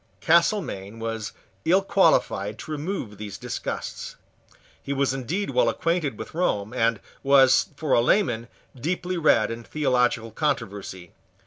Castelmaine was ill qualified to remove these disgusts. He was indeed well acquainted with Rome, and was, for a layman, deeply read in theological controversy.